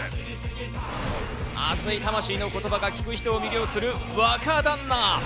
熱い魂の言葉が聞く人を魅了する、若旦那。